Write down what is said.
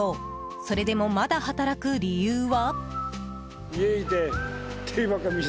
それでも、まだ働く理由は？